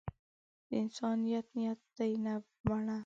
د انسان نیت نیت دی نه بڼه.